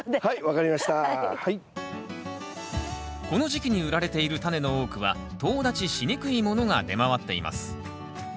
この時期に売られているタネの多くはとう立ちしにくいものが出回っています。